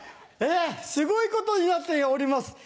すごいことになっております。